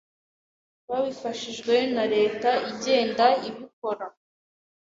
babifashijwe na Leta igenda ibikora